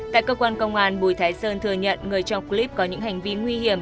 tại cơ quan công an bùi thái sơn thừa nhận người trong clip có những hành vi nguy hiểm